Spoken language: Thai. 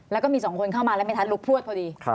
แล้วก็มี๒คนเข้ามาแล้วเมธัศน์ลุกพลวชพอดี